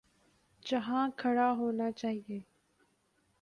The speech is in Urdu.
جہاں کھڑا ہونا چاہیے۔